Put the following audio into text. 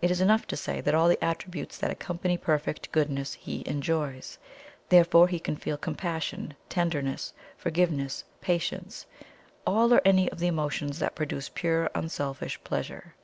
It is enough to say that all the attributes that accompany perfect goodness He enjoys; therefore He can feel compassion, tenderness, forgiveness, patience all or any of the emotions that produce pure, unselfish pleasure.